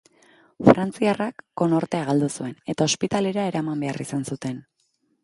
Frantziarrak konortea galdu zuen eta ospitalera eraman behar izan zuten.